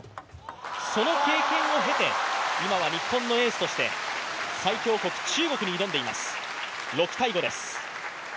その経験を経て、今は日本のエースとして最強国・中国に挑んでいます。